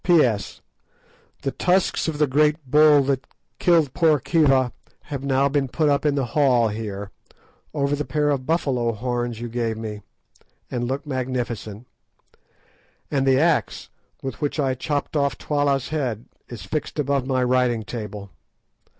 P.S.—The tusks of the great bull that killed poor Khiva have now been put up in the hall here, over the pair of buffalo horns you gave me, and look magnificent; and the axe with which I chopped off Twala's head is fixed above my writing table.